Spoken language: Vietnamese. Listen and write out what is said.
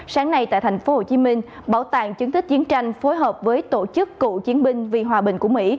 sáng nay tại thành phố hồ chí minh bảo tàng chứng tích chiến tranh phối hợp với tổ chức cụ chiến binh vì hòa bình của mỹ